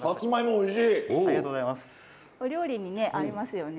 お料理に合いますよね？